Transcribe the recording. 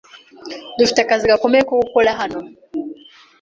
Dufite akazi gakomeye ko gukora hano.